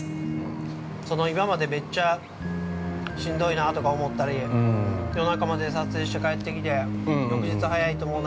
◆今までめっちゃしんどいなとか思ったり、夜中まで撮影して帰ってきて翌日早いと、もう！